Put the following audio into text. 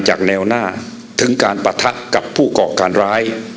จากแนวหน้าถึงการปะทะกับผู้ก่อการร้าย